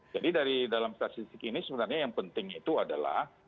jadi dari dalam statistik ini sebenarnya yang penting itu adalah